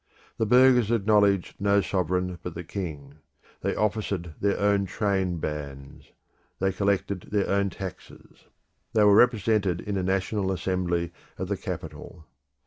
The burghers acknowledged no sovereign but the king: they officered their own trainbands; they collected their own taxes; they were represented in a national assembly at the capital.